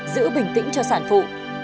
giữ bình tĩnh cho sản phụ